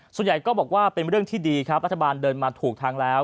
ส่วนใหญ่ก็บอกว่าเป็นเรื่องที่ดีครับรัฐบาลเดินมาถูกทางแล้ว